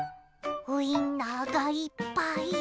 ウインナーがいっぱい！